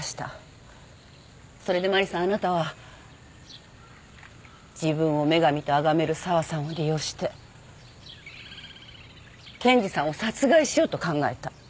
それでマリさんあなたは自分を女神とあがめる沢さんを利用して健治さんを殺害しようと考えた。